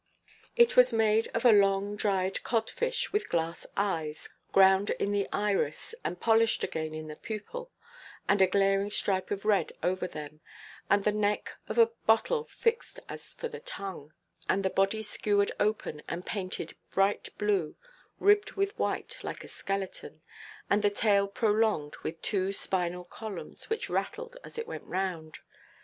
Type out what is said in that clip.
It was made of a long dried codfish, with glass eyes, ground in the iris, and polished again in the pupil, and a glaring stripe of red over them, and the neck of a bottle fixed as for a tongue, and the body skewered open and painted bright blue, ribbed with white, like a skeleton, and the tail prolonged with two spinal columns, which rattled as it went round.